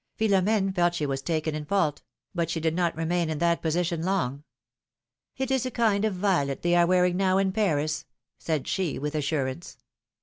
Philom^ne felt she was taken in fault ; but she did not remain in that position long. It is a kind of violet they are wearing now in Paris," said she, with assurance.